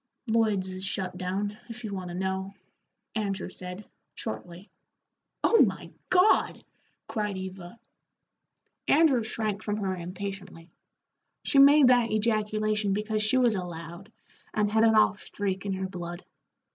"Lloyd's has shut down, if you want to know," Andrew said, shortly. "Oh my God!" cried Eva. Andrew shrank from her impatiently. She made that ejaculation because she was a Loud, and had an off streak in her blood.